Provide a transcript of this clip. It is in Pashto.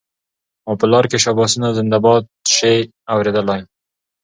او په لار کي شاباسونه زنده باد سې اورېدلای